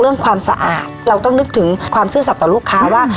ความสะอาดเราต้องนึกถึงความซื่อสัตว์ต่อลูกค้าว่า